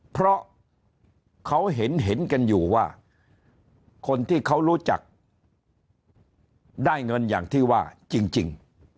เพราะเขาเห็นเห็นกันอยู่ว่าคนที่เขารู้จักได้เงินอย่างที่ว่าจริง